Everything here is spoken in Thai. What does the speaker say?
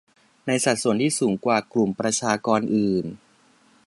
ในสัดส่วนที่สูงกว่ากลุ่มประชากรอื่น